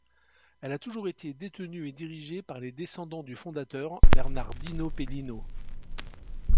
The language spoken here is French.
Elle a toujours été détenue et dirigée par les descendants du fondateur, Bernardino Pelino.